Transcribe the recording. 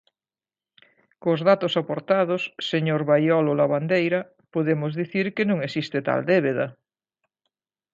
Cos datos aportados, señor Baiolo Lavandeira, podemos dicir que non existe tal débeda.